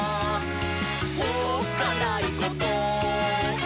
「おっかないこと？」